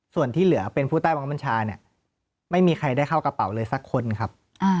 ส่วนที่เหลือเป็นผู้ใต้บังคับบัญชาเนี่ยไม่มีใครได้เข้ากระเป๋าเลยสักคนครับ